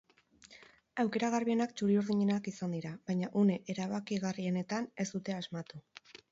Aukera garbienak txuri-urdinenak izan dira, baina une erabakigarrienetan ez dute asmatu.